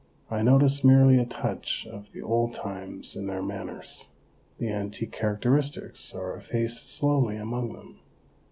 I notice merely a touch of the old times in their manners ; the antique characteristics are effaced slowly among them.